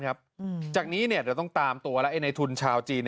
ราคา๑๙๒บาทอะไรต้องจ่ายก่อน